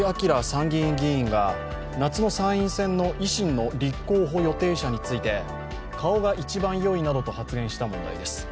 参議院議員が夏の参院選の維新の立候補予定者について顔が１番よいなどと発言した問題です。